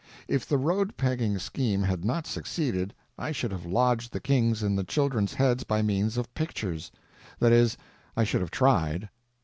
If the road pegging scheme had not succeeded I should have lodged the kings in the children's heads by means of pictures—that is, I should have tried.